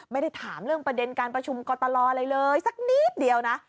ไม่ได้ถามเรื่องประเด็นการประชุมกรตรออะไรเลยสักนิดเดียวนะ